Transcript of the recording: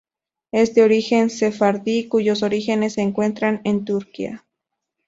Es de origen sefardí, cuyos orígenes se encuentran en Turquía.